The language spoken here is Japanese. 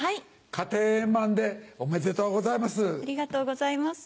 家庭円満でおめでとうございます。